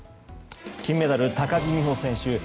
金メダル、高木美帆選手。